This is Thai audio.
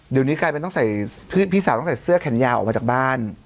เดี๋ยวนี้กลายเป็นต้องใส่พี่สาวตั้งแต่เสื้อแขนยาวออกมาจากบ้าน